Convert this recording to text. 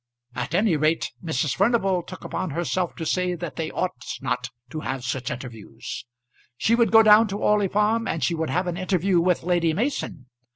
At any rate Mrs. Furnival took upon herself to say that they ought not to have such interviews. She would go down to Orley Farm and she would have an interview with Lady Mason.